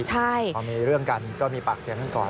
พอมีเรื่องกันก็มีปากเสียงกันก่อน